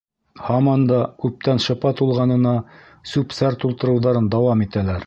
Һаман да күптән шыпа тулғанына сүп-сар тултырыуҙарын дауам итәләр.